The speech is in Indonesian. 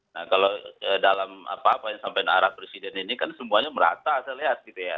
nah kalau dalam apa apa yang sampai arah presiden ini kan semuanya merata saya lihat gitu ya